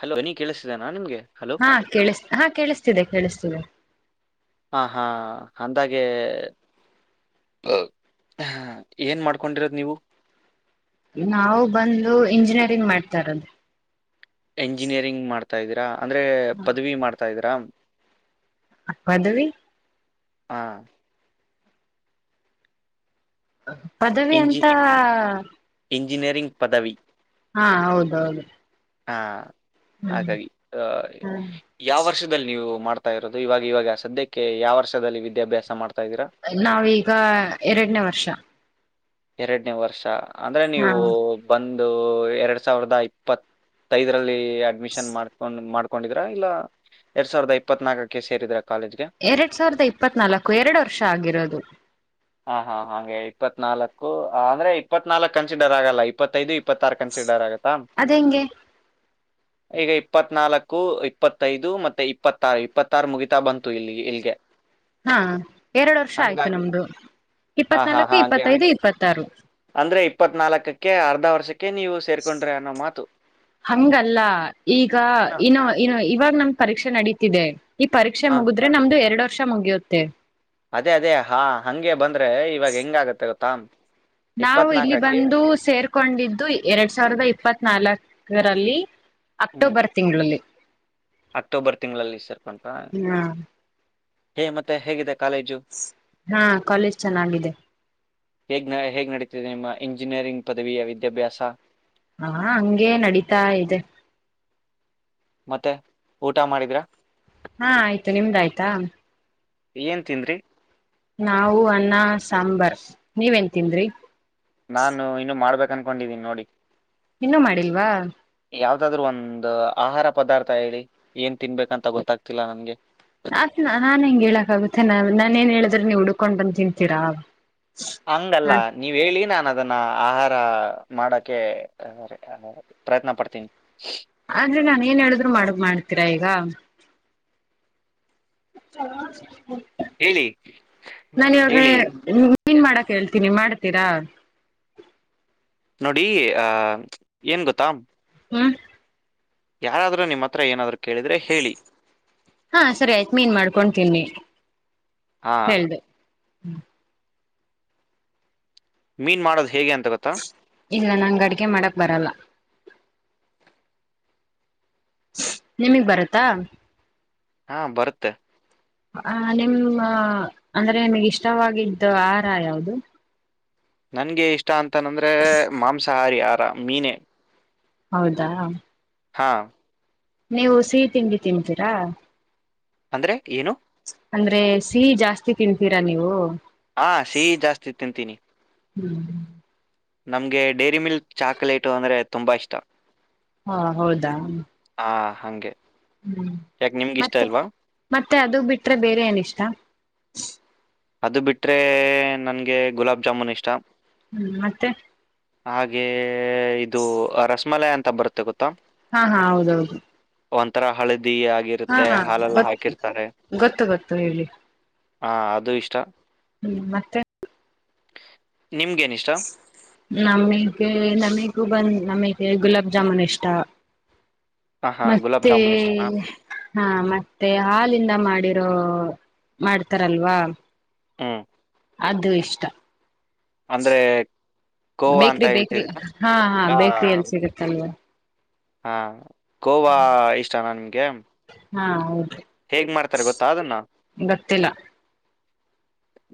Hello ಧ್ವನಿ ಕೇಳ್ಸ್ತೀದೆನಾ ನಿಮ್ಗೆ ಹಲೋ ಹಾ ಕೇಳಿಸ ಹಾ ಕೇಳಿಸ್ತಿದೆ ಕೇಳಿಸ್ತಿದೆ ಹಾ ಹಾ ಅಂದಾಗೆ ಹ ಏನ್ ಮಾಡ್ಕೊಂಡಿರೋದ್ ನೀವು ನಾವು ಬಂದು ಇಂಜಿನಿಯರಿಂಗ್ ಮಾಡ್ತಾ ಇರೊದು ಎಂಜಿನಿಯರಿಂಗ್ ಮಾಡತ್ ಡ್ತಾಯಿದೀರಾ ಅಂದ್ರೆ ಪದವಿ ಮಾಡ್ತಾ ಇದಿರಾ ಪದವಿ ಹ್ಮ ಪದವಿ ಇಂಜಿ ಅಂತಾ ಇಂಜಿನಿಯರಿಂಗ್ ಪದವಿ ಹಾ ಹೌದೌದು ಹಾ ಹ್ಮ್ ಹಾಗಾಗಿ ಅ ಹ್ಮ್ ಯಾವ ವರ್ಷದಲ್ಲಿ ನೀವು ಮಾಡತ್ ಡ್ತಾ ಇರೋದು ಇವಾಗ ಇವಾಗ ಸದ್ಯಕ್ಕೆ ಯಾವ ವರ್ಷದಲ್ಲಿ ವಿದ್ಯಾಭ್ಯಾಸ ಮಾಡ್ತಾ ಇದ್ದೀರಾ ನಾವೀಗ ಎರಡನೇ ವರ್ಷ ಎರಡನೇ ವರ್ಷ ಅಂದ್ರೆ ಹಾ ನೀವು ಬಂದ ಇದು ಎರಡ್ ಸಾವಿರದ ಇಪ್ಪತ್ತೈದರಲ್ಲಿ ಬಿ ಎ ಅಡ್ಮಿಷನ್ ಮಾಡ್ಕೊಂಡ್ ಮಾಡ್ ಕೊಂಡಿದ್ರ ಇಲ್ಲಾ ಎರಡ್ ಸಾವಿರ್ದ ಇಪ್ಪತ್ ನಾಕಕ್ಕೆ ಸೇರಿದ್ರಾ ಎರಡ್ ಸಾವಿರದ ಇಪ್ಪತ್ ನಾಲಕ್ಕುಎರಡ ವರ್ಷ ಆಗಿರೋದು ಹಾ ಹಾ ಹಾಗೆ ಇಪ್ಪತ್ನಾಲ್ಕು ಅಂದ್ರೆ ಇಪ್ಪತ್ನಾಲ್ಕ್ ಕನ್ಸಿಡರ್ ಆಗಲ್ಲ ಇಪ್ಪತ್ತೈದು ಇ ಇಪ್ಪತ್ತಾರು ಕನ್ಸಿಡರ್ ಆಗತ್ತಾ ಅದ್ ಹೆಂಗೆ ಈಗಾ ಇಪ್ಪತ್ ನಾಲ್ಕು ಇಪ್ಪತ್ತೈದು ಮತ್ತೆ ಇಪ್ಪತ್ತಾರು ಇಪ್ಪತ್ತಾರು ಮುಗಿತಾ ಬಂತು ಇಲ್ಲಿ ಇಲ್ಗೆ ಹಾ, ಎರಡ ವರ್ಷಾ ಆಯ್ತು ನಮ್ದು. - ಹ ಹಾ ಹಾ ಹಂಗೆ, ಅನ್ನಿ ಅಂದ್ರೆ ಇಪ್ಪತ್ ನಾಲ್ಕಕ್ಕೆ. - ಅರ್ಧಾ ವರ್ಷಕ್ಕೆ- ನೀವು ಸೇರ್ಕೊಂಡ್ರೆ ಅನ್ನೋ ಮಾತು ಹಂಗಲ್ಲಾ ಈಗಾ ಹಾ, ಇ [unintelligible] ನಾವ್ ಇನಾವ್ ಇವಾಗ್ ನಮ್ ಪರೀಕ್ಷೆ ನಡೀತಿದೆ. - ಈ ಪರೀಕ್ಷೆ ಹಾ. ಮೂಗುದ್ರೆ ನಮ್ದು ಎರಡ್ ವರ್- ಪರೀಕ್ಷಾ ಮುಗಿಯುತ್ತೆ. - ಅದೇ -ಅದೇ ಹಾ ಹಂಗೆ ಬಂದ್ರೆ ಇವಾಗ ಹೆಂಗ ಆಗತ್ತೆ ಗೊತ್ತಾ. ನಾವು ಇಲ್ಲಿ ಇಪ್ಪತ್ನಾಲ್ಕಕ್ಕೆ ಬಂದು ಸೇರ್ಕೊಂಡಿದ್ದು ಎರಡ್ ಸಾವರದ ಇಪ್ಪತ್ ನಾಲ್ಕ್. - ಕರಲ್ಲಿ [unintelligible] ಹ್ಮ್ ಅಕ್ಟೋಬರ್ ತಿಂಗಳಲ್ಲಿ. - ಅಕ್ಟೋಬರ್ ತಿಂಗಳಲ್ಲಿ ಸೇರ್ಕೊಂಡ್ರಾ., ಹಾ - ಹೇ, ಮತ್ತೆ ಹೇಗಿದೆ. - ಹಾ, ಕಾಲೇಜ್ ಚೆನ್ನಾಗಿದೆ. - ಹೇಗ್, ನ ಹೇಗ್ ನಡೀತಿದೆ ನಿಮ್ಮ ಎಂಜಿನಿಯರಿಂಗ್ ಪದವಿಯ ವಿದ್ಯಾಭ್ಯಾಸ. - ಹಾ, ಹಂಗೆ ನಡೀತಾ ಇದೆ. - ಮತ್ತೆ ಊಟ ಮಾಡಿದ್ರಾ., - ಹಾ, ಆಯ್ತು ನಿಮ್ದ ಆಯ್ತಾ.. - ಏನ್ ತಿಂದ್ರಿ., - ನಾವು ಅನ್ನ, ಸಾಂಬಾರ್ ನೀವ ಎನ್ ತಿಂದ್ರಿ., - ನಾನು ಇನ್ನು ಮಾಡಬೇಕ್., - ಅನ್ಕೊಂಡಿದೀನಿ ನೋಡಿ. - ಇನ್ನೂ ಮಾಡಿಲ್ವಾ.,, ಯಾವ್ದಾದ್ರು ಒಂದ ಅ ಆಹಾರ ಪದಾರ್ಥ ಹೇಳಿ ಏನ್ ತಿನ್ಬೇಕಂತಾ ಗೊತ್ತಾಗ್ತಿಲ್ಲ ನನ್ಗೆ. - ಆ ನಾ ನಾನ್ ಹೆಂಗ್ ಹೇಳಕ್ ಆಗುತ್ತೆ. ನ ನಾನ್ ಏನ್ ಹೇಳದ್ರ ನೀವು ಹುಡುಕೊಂಡ್ ಬಂದ್ ತಿಂತೀರಾ.. - ಹಂಗಲ್ಲಾ ನೀವ್ ಹೇಳಿ ನಾನನ್ದ., ಅದನ್ನ ಆಹಾರ ಮಾಡಕೆ ಅ ಅ ಪ್ರಯತ್ನ ಪಡ್ತೀನಿ. ಆದ್ರೆ ನಾನ್ ಏನ್ ಹೇಳಿದ್ರು ಮಾಡ್ ಮಾಡ್ತೀರಾ ಈಗಾ. ಚಲಸ್ [unintelligible] ಹೇಳಿ ನಾನ ಇವಾಗ ಹೇಳಿ ಮೀನ್ ಮಾಡಕ್ ಹೇಳ್ತೀನಿ ಮಾಡ., - ಮಾಡತೀರ. ನೋಡಿ ಆ ಏನ್ ಗೊತ್ತಾ.. ಹ್ಮ, ಯಾರಾದ್ರರು ನಿಮ್ಮ್ ಹತ್ರ ಏನಾದ್- ಹಾ, ಸರಿ ಆಯ್ತು ಮೀನ್ ಮಾಡ್ಕೊತೀನಿ ತಿನ್ನಿ. ಹಾ ಹ್ಞ [inaudible] ಮೀನ್ ಮಾಡೋದ. ಇಲ್ಲ ನಂಗ್ ಅಡಿಗೆ ಮಾಡಕ್ ಬರಲ್ಲ ನಿಮಗ್ ಬರತ್ತಾ ಹಾ ಬರುತ್ತೆ ಆ ನಿಮ್ಮ ಅಂದ್ರೆ ನಿಮ್ಗಿಷ್ಟವಾಗಿದ್ದ ಆಹಾರ ಯಾದದು ನನ್ಗೆ ಇಷ್ಟ ಅಂತ ಮತ್ತನಂದ್ರೆ ಮಾಂಸಾಹಾರಿ ಮೀನ ಹೌದಾ ಹಾ ನೀವು ಸಿಹಿ ತಿಂಡಿ ತಿಂತೀರಾ ಅಂದ್ರೆ ಏನು ಅಂದ್ರೆ ಸಿಹಿ ಜಾಸ್ತಿ ತಿನ್ಂತೀರಾ ನೀವು ಹಾ ಸಿಹಿ ಜಾಸ್ತಿ ತಿಂತೀನಿ ಹ್ಮ್ ನಮ್ಗೆ ಡೈರಿ ಮಿಲ್ಕ್ ಚಾಕಲೇಟು ಅಂದ್ರೆ ತುಂಬಾ ಇಷ್ಟ ಹಾ ಹೌದಾ ಹಾ ಹಂಗೆ ಹ್ಮ್ ಯಾಕೆ ನಿಮ್ಗೆ ಇಷ್ಟ ಮತ್ತೆ ಇಲ್ವಾ ಮತ್ತೆ ಅದು ಬಿಟ್ರೆ ಬೇರೆ ಏನ ಇಷ್ಟ ಸರಿ ಅದು ಬಿಟರೆ ನನಗೆ ಗುಲಾಬ್ ಜಾಮೂನ್ ಇಷ್ಟ ಹ್ಮ್ ಮತ್ತೆ ಹಾಗೆ ಇದು ರಸಮಲೈ ಅಂತ ಅಂತ ಬರುತ್ತೆ ಗೊತ್ತು ಹಾ ಹಾ ಹೌದೌದು ಒಂತರ ಹಳದ ಹಾ ಹಾ ಗೊತ್ತು ಗೊತ್ತು ಗೊತ್ತು ಹೇಗೆ ಹಾ ಅದು ಇಷ್ಟ [unintelligible] ಹ್ಮ್ ಮತ್ತೆ ನಿಮ್ಗೇನ್ ಇಷ್ಟ ನಮಗೆ ನಮ್ಮ ಬಂದ ನಮಗೆ ಗುಲಾಬ್ ಜಾಮೂನ್ ಇಷ್ಟ ಹಾ ಹಾ ಗುಲಾಬ್ ಮತ್ತೆ ಜಾಮೂನ್ ಇಷ್ಟನಾ ಹಾ ಮತ್ತೆ ಹಾಲಿಂದ ಮಾಡಿ ಮಾಡ್ತಾರಲ್ವಾ ಹ್ಮ್ ಅದು ಇಷ್ಟ ಅಂದ್ರೆ ಕೋವಾ ಅಂತ ಬೇಕ್ರಿ ಬೇಕ್ರಿ ಹೇಳ್ತಿದ್ರ ಹಾ ಹಾ ಬೇಕ್ರ ಎಲ್ಲಿ ಸಿಗುತ್ತಲ್ವಾ ಹಾನ್ ಗೋವಾ ಇಷ್ಟನಾ ನಿನ್ಗೆ ಹಾ ಹೌದು ಹೇಗ್ ಮಾಡ್ತಾರೆ ಗೊತ್ತಾ ಅದನ್ನ ಗೊತ್ತಿಲ್ಲ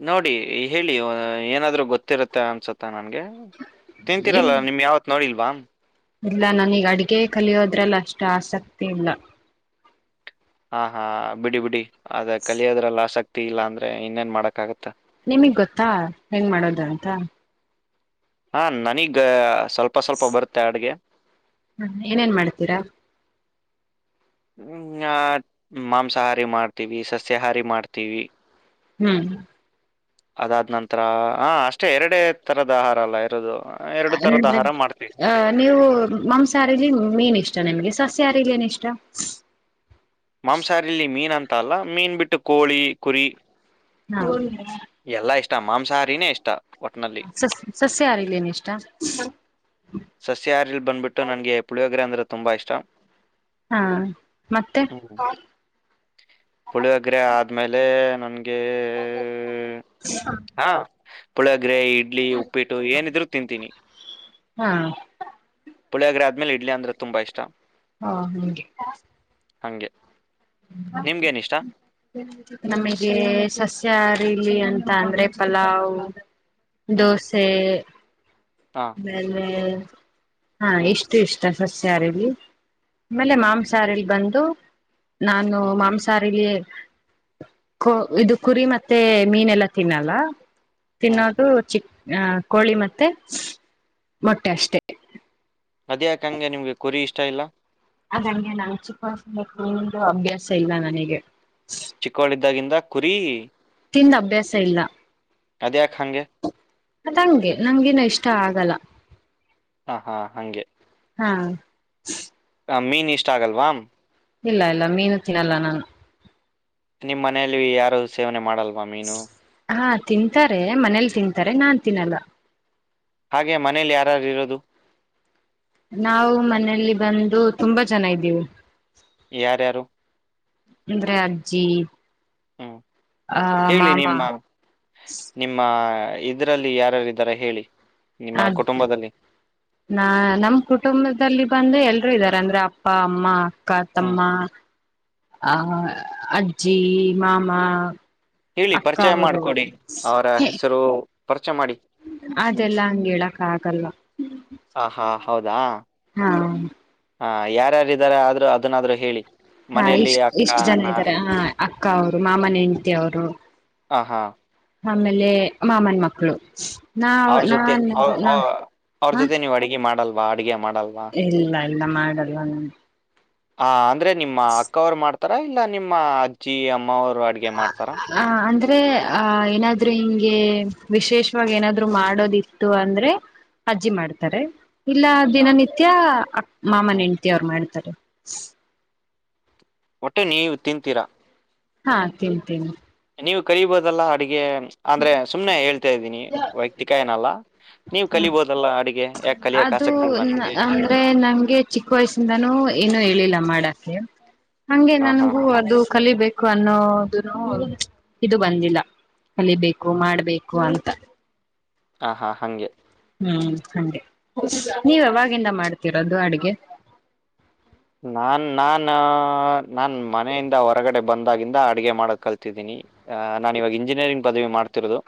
ನೋಡಿ ಹೇಳಿ ಏನಾದ್ರು ಗೊತ್ತಿರುತ್ತೆ ಅನ್ಸತ್ತ ನನ್ಗೆ ತಿಂತೀರಲ್ಲ ನಿಮ್ ಯಾವತ್ ನೋಡಿಲ್ ಬಾಮ ಇಲ್ಲ ನನಗ್ ಅಡ್ಗೆ ಕಲಿಯೋದ್ರಲ್ಲ ಅಷ್ಟು ಆಸಕ್ತಿ ಇಲ್ಲ ಹಾ ಹಾ ಬಿಡಿ ಬಿಡಿ ಅದ ಕಲಿಯೋದ್ರಲ್ಲ ಆಸಕ್ತಿ ಇಲ್ಲ ಅಂದ್ರೆ ಇನ್ನೇನ್ ಮಾಡಕ್ಕಾಗುತ್ತೆ ನಿಮಗ್ ಗೊತ್ತಾ ಹೆಂಗ್ ಮಾಡೋದ ಅಂತ ಹಾ ನನಗ ಸ್ವಲ್ಪ ಸ್ವಲ್ಪ ಬರುತ್ತೆ ಅಡುಗೆ ಹ್ಮ ಏನೇನ್ ಮಾಡ್ತೀರಾ ಹ್ಮ ಮಾಂಸಾಹಾರಿ ಮಾಡ್ತೀವಿ ಸಸ್ಯಾಹಾರಿ ಮಾಡ್ತೀವಿ ಹ್ಮ್ ಅದಾದ್ ನಂಂತರ ಹ ಅಷ್ಟೇ ಎರಡೆ ತರದ ಆಹಾರ ಅಲ್ಲ ಇರೋದು ಎರಡು ಅಂದ್ರೆ ತರದ ಆಹಾರ ಮಾಡ್ತೀವಿ ಅ ನೀವು ಮಾಂಸಹಾರಿಲಿ ಮೀನ್ ಇಷ್ಟ ನಿಮ್ಗೆ ಸಸ್ಯಹಾರಿಲಿ ಏನ್ ಇಷ್ಟ ಮಾಂಸಾಹಾರಿಲ್ಲಿ ಮೀನಂತ ಅಲ್ಲ ಮೀನ್ ಬಿಟ್ಟು ಕೋಳಿ ಕುರಿ ಹಾ ಎಲ್ಲಾ ಇಷ್ಟ ಮಾಂಸಾಹಾರಿನೇ ಇಷ್ಟ ಒಟ್ನಲ್ಲಿ ಹ ಸಾಸ್ ಸಸ್ಯಹಾರಿಲಿ ಏನಿಷ್ಟ ಸಸ್ಯಹಾರಲ್ಲಿ ಬಂದ್ಬಿಟ್ಟು ನನಗೆ ಪುಳಿಯೋಗ ಗ್ರ ಅಂದ್ರ ತುಂಬಾ ಇಷ್ಟಂ ಹಾ ಮತ್ತೆ ಪುಳಿಯ ಹಗ್ರೆ ಆದ್ಮೇಲೆ ನನ್ಗೆ ಹಾ ಪುಳಗರೆೆ ಇಡ್ಲಿ ಉಪ್ಪಿಟ್ಟು ಏನಿದ್ರು ತಿಂತೀನಿ ಹಾ ಪುಳಿಯಗ್ರ ಆದ್ಮೇಲೆ ಇಡ್ಲಿ ಅಂದ್ರೆ ತುಂಬಾ ಇಷ್ಟ ಹಾ ಹಂಗೆ ಹಗೆ ಹ ನಮಗೆ ಸಸ್ ಚಾರಿಲಿ ಅಂತ ಅಂದ್ರೆ ಪಲಾವ್ ಹ್ಮ್ ದೋಸೆ ಹಾ ಹ ಹಾ ಹ್ಮ್ ಇಷ್ಟು ಇಷ್ಟ ಸಸ್ಯಾರಿಲ್ಲಿ ಆಮೇಲೆ ಮಾಂಸಾಹಾರಲ್ಲಿ ಬಂದು ನಾನು ಹ್ಮ್ ಮಾಂಸಹಾರಿಲಿ ಇದು ಕುರಿ ಮತ್ತೆ ಮೀನೆಲ್ಲ ತಿನ್ನಲ್ಲ. ಹ್ಮ್ ತಿನ್ನೋದು ಚಿ ಹ ಕೋಳಿ ಮತ್ತೆ ಮೊಟ್ಟೆಷ್ಟೆ ಅದೇಯಾಕಂಗೆ ನಿಮ್ಗೆ ಕುರಿ ಇಷ್ಟ ಇಲ್ಲ ಅದ ನ ಆಚು ಕ ಅಭ್ಯಾಸ ಇಲ್ಲ ನನಗೆ ಚಿಕ್ಕವಳಿದ್ದಾಗಿಂದ ಕುರಿ ತಿಂದ ಅಭ್ಯಾಸ ಇಲ್ಲ ಅದೇ ಅದಂಗೆ ನಂಗಗಿನ್ನುೂ ಇಷ್ಟ ಆಗಲ್ಲ ಹ ಹಾ ಹಂಗೆ ಹಾ ಆ ಮೀನ್ ಇಷ್ಟ ಆಗಲ್ವಾ ಇಲ್ಲ ಇಲ್ಲ ಮೀನು ತಿನ್ನಲ್ಲ ನಾನು ನಿಮ್ಮ್ ಮನೆಯಲ್ಲಿ ಯಾರು ಸೇವನೆ ಮಾಡಲ್ ಹಾ ತಿಂತಾರೆ ಮನೇಲಿ ತಿಂತಾರೆ ನಾನ್ ತಿನಲ್ಲ ಹಾಗೆ ಮನೇಲಿ ಯಾರಾರು ಇರೋದು. ನಾವು ಮನೇೆಯಲ್ಲಿ ಬಂದು ತುಂಬಾ ಜನ ಇದ್ದೀವಿ ಯಾರ ಯಾರು ಅಂದ್ರೆ ಅಜ್ಜಿ ಹ್ಮ್ ಆ ಹೇಳಿ ಮಾಮಾ ಇದ್ರಲ್ಲಿ ಯಾರ್ಯಾರಿದ್ದಾರೆ ಹೇಳಿ ನಿಮ್ಮ ಅದ ಕುಟುಂಬದಲ್ಲಿ ನಾ ನಮ ಕುಟುಂಬದಲ್ಲಿ ಬಂದ ಎಲ್ರುೂ ಇದಾರೆ ಅಂದ್ರೆ ಅಪ್ಪ ಅಮ್ಮ ಹ್ಮ್ ಕಾತಮ್ಮ ಆ ಅಜ್ಜಿ ಮಾಮಾ ಹೇಳಿ ಪರಿಚಯ ಮಾಡ್ಕೊಡಿ ಅವರ ಹೆಸರು ಪರಿಚಯ ಮಾಡಿ ಅದೆಲ್ಲಾ ಹಂಗಡಕ ಆಗಲ್ಲ ಆಹಾ ಹೌದಾ ಹಾ ಹಾ ಯಾರ್ಯಾರ್ದಾರ ಆದ್ರೂ ಅದನ್ನಾದ್ರರು ಹೇಳಿ ಹಾ ಮನೆಯಲ್ಲಿ ಇಷ್ಟ ಅಕ್ಕ ಎಷ್ಟು ಜನ ಅಣ್ಣ ಇದ್ದಾರೆ ಹಾ ಅಕ್ಕ ಅವರು ಮಾಮನ ಹೆಂಡಟಿ ಅವರು ಹ ಹಾ ಆಮೇಲೆ ಮಾಮನ ಮಕ್ಕಳು ನಾವ್ ಅವ್ರ ಜೊತೆ ನಾನ್ ಅವ್ರ ಹ ಜೊತೆ ನೀವು್ ಅಡಗೆ ಮಾಡಲ್. ಬಾಡಿಗೆ ಮಾಡ ಇಲ್ಲ ಇಲ್ಲ ಮಾಡಲ್ಲ ನು ಹಾ ಅಂದ್ರೆ ನಿಮ್ಮ ಅಕ್ಕವ್ರು ಮಾಡ್ತಾರೆ ತರ ಇಲ್ಲ ನಿಮ್ಮ ಅಜ್ಜಿ ಅಮ್ಮವರು ಹ ಅಂದ್ರೆ ಅ ಏನಾದ್ರು ಹಿಂಗೆ ವಿಶೇಷವಾಗಿ ಏನಾದ್ರು ಮಾಡೋದಿತ್ತು ಅಂದ್ರೆ ಅಜ್ಜಿ ಮಾಡ್ತಾರೆ ಇಲ್ಲ ಹಾ. ದಿನನಿತ್ಯ ಅ ಮಾಮ ಹ್ಮ್ ಹೆೆಂಡ್ತಿ ಅವ್ರು ಮಾಡ್ತಾರೆ ಸ್ ಒಟ್ಟೆ ನೀವು ತಿಂತೀರಾ ಹಾ ತಿನ್ಂತೀನಿ ನೀವು ಕಲಿಬಹುದೆಲ್ಲ ಅಡುಗೆ ಅಂದ್ರೆ ಸುಮ್ನೆ ಹೇಳ್ತಾ ಇದ್ದೀನಿ ವೈಯಕ್ತಿಕ ಏನಲ್ಲಾ ಹ ಕಲಿಯಕ್ ಅದು ಆಸಕ್ತಿ ಇಲ್ವಾ ನಿಮ್ಗೆ ಅಂದ್ರೆ ನಂಗೆ ಚಿಕ್ಕ ವಯಸ್ಸಿಂದಾನೂ ಏನು ಹೇಳಿಲ್ಲ ಮಾಡ ಕೆ ಹಂಗೆ ಹಾ ಹಾ ನನ್ಗೂ ಹಾ ಅದು ಕಲಿಬೇಕು ಅನ್ನೋದು ಇದು ಬಂದಿಲ್ಲ ಕಲಿಬೇಕು ಮಾಡ್ಬೇಕು ಅಂತ ಹ ಹಾ ಹಂಗೆ ಹ್ಮ್ ಹಂಡೆ ನೀವ ಯಾವಾಗಿಂದ ಮಾಡ್ತಿರೋದು ಅಡಗೆ ನಾನ್ ನಾನ್ ನಾನ್ ಮನೆಯಿಂದ ಹೊರಗಡೆ ಬಂದಾಗಿಂದ ಅಡಗೆ ಮಾಡಕ್ ಕಲ್ತಿದ್ದೀನಿ ನಾ ಇವಾಗ ಇಂಜಿನಿಯರಿಂಗ್ ಪದವಿ ಮಾಡ ಭತ್ತಿರದು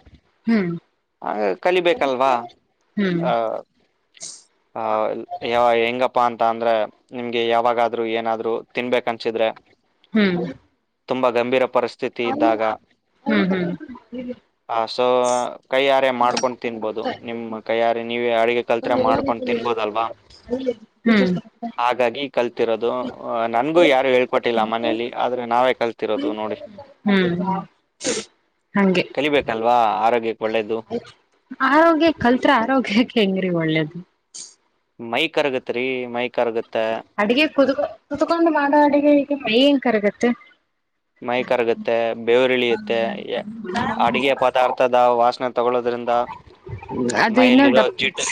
ಹ್ಮ್ ಹ ಕಲಿಬೇಕಲ್ವಾ ಹ್ಮ್ ಅ ಅ ಯ ಹೆಂಗಪ್ಪಾ ಅಂತ ಅ ಅಂದ್ರೆ ನಿಮ ಗೆ ಯಾವಾಗಾದರೂ ಏನಾದ್ರು ತಿನ್ಬೇಕ ಅನ್ಸಿದ್ರೆ ಹ್ಮ್ ತುಂಬಾ ಗಂಭೀರ ಪರಿಸ್ಥಿತಿ ಇದ್ದಾಗ ಹ್ಮ್ ಹ್ಮ್ ಅ ಸೊ ಕೈಯಾರೆ ಮಾಡ್ಕೊಂಡು ತಿನ್ಬಹದು ನಿಮ್ಮ್ ಕೈಯಾರೆ ನೀವೇ ಅಡುಗೆ ಕಲ್ತ್ರೆ ಮಾಡ್ಕೊಂಡು ತಿನ್ಬೋದಲ್ವಾ ಹ್ಮ್ ಹಾಗಾಗಿ ಕಲ್ತಿರೋದು ನನ್ಗೂ ಯಾರು ಹೇಳ್ಕೊಟ್ಟಿಲ್ಲ ಮನಲಿ ಆದ್ರೆ ನಾವೇ ಕಲ್ತಿರೋದು ನೋಡಿ ಹ್ಮ್ ಹಗೆ ಆರೋಗ್ಯ ಆರೋಗ್ಯ ಕಲ್ತ್ರ ಆರೋಗ್ಯಕ್ಕೆ ಹೆಂಗ್ರೀ ಒಳ್ಳೇದು ಮೈ ಕರಗತ್ ರೀ ಮೈ ಕರಗತ್ತೆ ಅಡಗೆ ಕುದುಕ ಕತ್ಕೊಂಡು ಮಾಡೋ ಅಡಗೆ ಈಗೆ ಮೈ ನ್ ಕರಗತ್ತ [inaudible] ಮೈ ಕರಗುತ್ತೆ ಬೇವರಿಳಿಯುತ್ತೆ ಅಡುಗೆ ಪದಾರ್ಥದ ವಾಸನೆ ತಗೊಳ್ಳೋದ್ರಿಂದ ಅದು ಇನ್ನೂ ಮೈಲಿರೋ ದಪ್ಪ ಜಿಡ್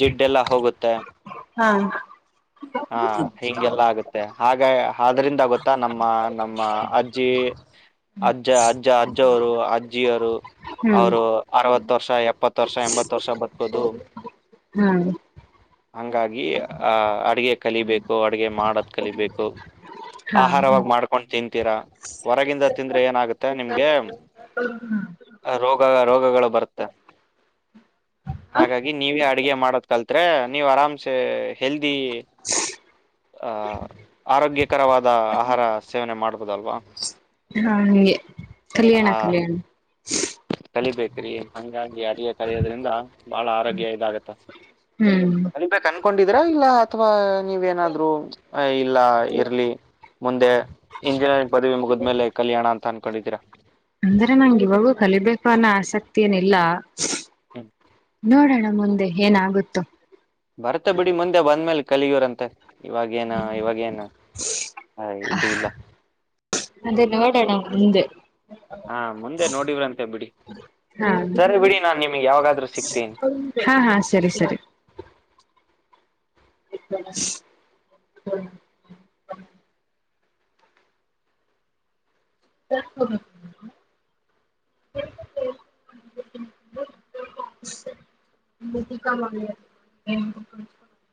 ಜಿಡ್ಡೆ ಎಲ್ಲ ಹೋಗುತ್ತೆ ಹ ಹಿಂಗೆಲ್ಲ ಆಗುತ್ತೆ ಹಾಗೆ ಆದ್ರಿಂದ ಗೊತ್ತಾ ನಮ್ಮ ನಮ್ಮ್ ಅಜ್ಜ ಅಜ್ಜ ಅಜ್ಜ ಅವರು ಅಜ್ಜಿಯರು ಹ್ಮ್ ಅವರು ವರ್ಷ ಎಪ್ಪತ್ ವರ್ಷ ಎಂಬತ್ತು ವರ್ಷ ಬತ್ಕೋದು ಹ್ಮ್ ಹಂಗಾಗಿ ಆಹ ಅಡ್ಗೆ ಕಲಿಬೇಕು ಅಡ್ಗೆ ಮಾಡದು ಕಲಿಬೇಕು ಹಾ ಆಹಾರವಾಗಿ ಮಾಡ್ಕೊಂಡು ತಿ ತೀರ ಹೊರಗಿಂದ ತಿಂದ್ರೆ ಏನಾಗುತ್ತೆ ನಿಮ್ಗೆ ರೋಗ ರೋಗಗಳು ಬರುತ್ತೆ ಹಾಗಾಗಿ ನೀವೇ ಅಡ್ಗೆ ಮಾಡದ್ ಕಲ್ತ ಹೇ ನೀವು ಆರಾಹಮ್ಸೆ ಹೆಲ್ದಿ ಆ ಆರೋಗ್ಯಕರವಾದ ಆಹಾರ ಸೇವನೆ ಮಾಡ್ಬೋದಲ್ವಾ ಹಾ ಹಂಗೆ ಕಲ್ಯಾಣ ಹಾ ಕಲ್ಯಾಣ ಕಲಿಬೇಕ್ರಿ ಹಂಗಾಗಿ ಅರಿಯ ಕಲಿಯೋದ್ರಿಂದ ಬಾಳ ಆರೋಗ್ಯ ಇದಾಗತ್ತ ಹ್ಮ್ ಕಲಿಬೇಕು ಕೊಂಡಿದ್ರ ಇಲ್ಲ ಅಥವಾ ನೀವ ನಾದ್ರು ಇಲ್ಲ ಇರ್ಲಿ ಮುಂದೆ ಇಂಜಿನಿಯರಿಂಗ್ ಪದವಿ ಮುಗಿದ್ಮೇಲೆ ಕಲಿಯೋಣ ಅಂತ ಕಣಿದೀರಾ ಅಂದ್ರೆ ನಂ ಇವಾಗೂ ಕಲಿಬೇಕು ಅನ್ನೋ ಆಸಕ್ತಿ ಏನಿಲ್ಲ ಹ್ಮ್ ನೋಡೋಣ ಮುಂದೆ ಏನಾಗುತ್ತೆ ಬರ್ತ ಬಿಡಿ ಮುಂದೆ ಬಂದ್ಮೇಲೆ ಕಲಿಯೋರಂತೆ ಇವಾಗೇನ ಇವಾಗೇನ ಹ ಇದು ಇಲ್ಲ ಹಿಂದೆ ಹಾ ಮುಂದೆ ನೋಡಿವ್ರಂತೆ ಬಿಡಿ ಹಾ ಸರಿ ಬಿಡಿ ನಾನ್ ನಿಮಗೆ ಯಾವಾಗಾದ್ರೂ ಸಿಕ್ತೀನಿ ಹಾ ಹಾ ಸರಿ ಸರಿ [unintelligible] ಕ ಮಾಡ [unintelligible]